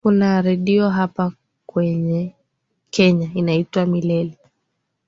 Kuna redio hapa Kenya inaitwa Milele.